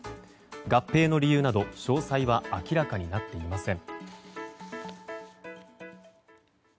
合併の理由など詳細は明らかになっていません。